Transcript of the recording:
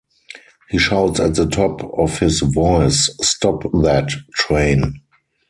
He shouts at the top of his voice 'Stop, That, Train!